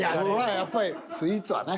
やっぱりスイーツはね。